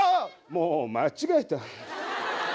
もう間違えた。